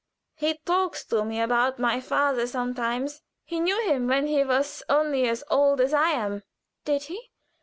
He talks to me about my father sometimes. He knew him when he was only as old as I am." "Did he?